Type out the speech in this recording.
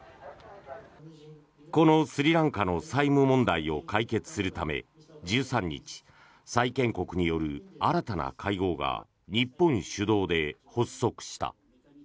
このスリランカの債務問題を解決するため１３日、債権国による新たな会合が日本主導で発足した。